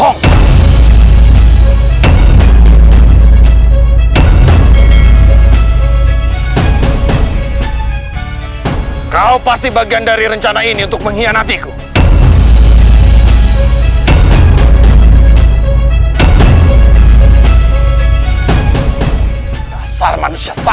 aku bisa menjelaskan semuanya